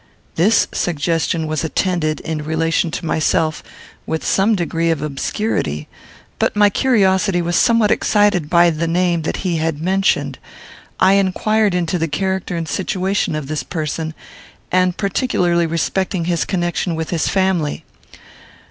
This suggestion was attended, in relation to myself, with some degree of obscurity; but my curiosity was somewhat excited by the name that he had mentioned, I inquired into the character and situation of this person, and particularly respecting his connection with this family.